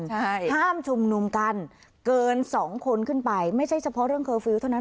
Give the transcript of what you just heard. ใช่ห้ามชุมนุมกันเกินสองคนขึ้นไปไม่ใช่เฉพาะเรื่องเคอร์ฟิลล์เท่านั้น